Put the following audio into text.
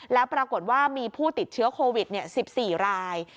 แล้วปรากฏว่ามีผู้ติดเชื้อโควิด๑๔ราย